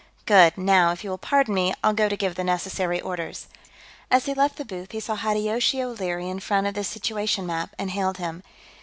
"Good. Now, if you will pardon me, I'll go to give the necessary orders...." As he left the booth, he saw Hideyoshi O'Leary in front of the situation map, and hailed him.